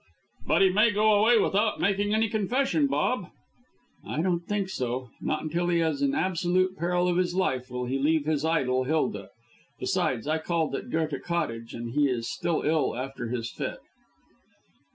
"But he may go away without making any confession, Bob!" "I don't think so. Not until he is in absolute peril of his life will he leave his idol, Hilda. Besides, I called at Goethe Cottage, and he is still ill after his fit."